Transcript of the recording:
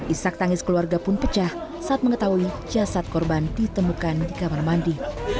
isak tangis keluarga pun pecah saat mengetahui jasad korban ditemukan di kamar mandi